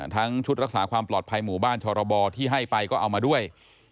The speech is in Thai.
ทั้งชุดรักษาความปลอดภัยหมู่บ้านชรบที่ให้ไปก็เอามาด้วย